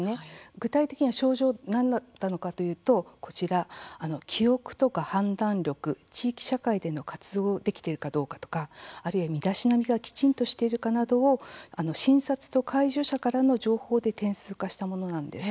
具体的には症状何だったのかというとこちら、記憶とか判断力地域社会での活動できているかどうかとかあるいは身だしなみがきちんとしているかなどを診察と介助者からの情報で点数化したものなんです。